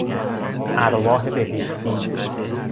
ارواح بهشتی